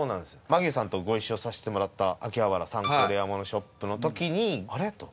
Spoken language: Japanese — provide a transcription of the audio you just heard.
マギーさんとご一緒させてもらった秋葉原サンコーレアモノショップの時に「あれっ？」と。